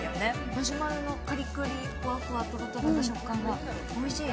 マシュマロのカリクリ、ふわふわの食感がおいしい。